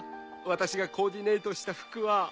私がコーディネートした服は。